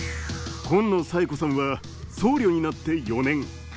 今野沙恵子さんは僧侶になって４年。